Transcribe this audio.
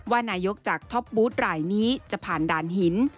ว่านายกจากท็อปบูธรายนี้จะผ่านด่านหิน